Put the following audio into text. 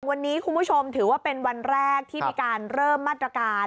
วันนี้คุณผู้ชมถือว่าเป็นวันแรกที่มีการเริ่มมาตรการ